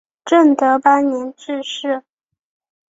正德八年致仕。